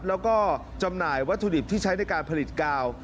แล้วก็จำหน่ายวัตถุดิบที่ใช้ในการผลิตกาว